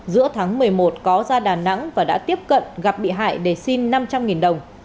giữa tháng một mươi một có ra đà nẵng và đã tiếp cận gặp bị hại để xin năm trăm linh đồng